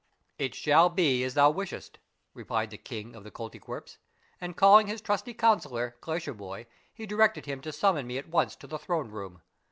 " It shall be as thou wishest," replied the king of the Kolty kwerps ; and calling his trusty councillor, Glacierbhoy, he directed him to summon me at once to the throne room.